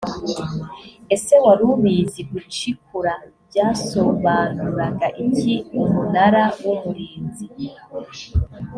ese wari ubizi gucikura byasobanuraga iki umunara w umurinzi